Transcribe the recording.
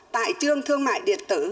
tại trương thương mại điệt tử